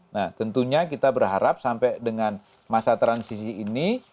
nah tentunya kita berharap sampai dengan masa transisi ini